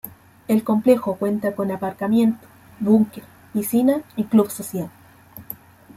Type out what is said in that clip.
El complejo cuenta con aparcamiento, búnker, piscina y club social.